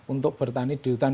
untuk bertani di hutan